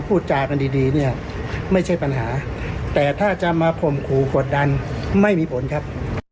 พูดจากันดีดีเนี่ยไม่ใช่ปัญหาแต่ถ้าจะมาข่มขู่กดดันไม่มีผลครับ